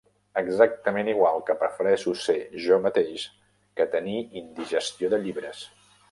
Exactament igual que prefereixo ser jo mateix que tenir indigestió de llibres.